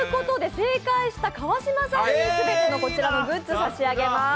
正解した川島さんにはこちらのグッズを全て差し上げます。